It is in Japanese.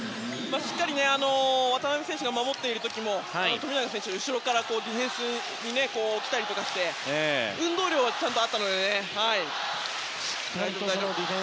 しっかり渡邊選手が守っている時も富永選手、後ろからディフェンスに来たりして運動量はちゃんとあったので。